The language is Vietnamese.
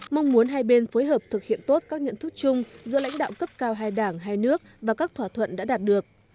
mong muốn hai bên phối hợp thực hiện tốt các nhận thức chung giữa lãnh đạo cấp cao hai đảng hai nước và các thỏa thuận đã đạt được